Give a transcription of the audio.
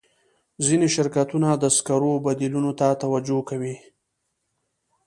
ځینې شرکتونه د سکرو بدیلونو ته توجه کوي.